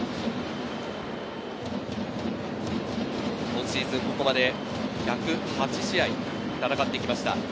今シーズン、ここまで１０８試合戦ってきました。